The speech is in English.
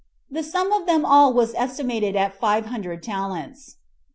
The sum of them all was estimated at five hundred talents.